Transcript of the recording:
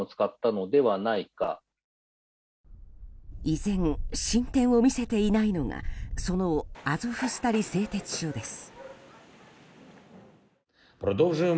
依然、進展を見せていないのがそのアゾフスタリ製鉄所です。